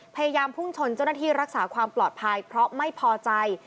พยายามพุ่งชนเจ้าหน้าที่รักษาความปลอดภัยเพราะไม่พอใจ